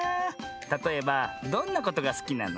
たとえばどんなことがすきなの？